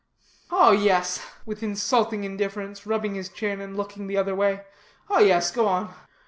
"Oh, yes!" with insulting indifference, rubbing his chin and looking the other way. "Oh, yes; go on."